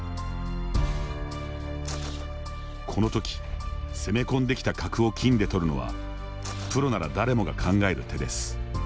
この時攻め込んできた角を金でとるのはプロなら誰もが考える手です。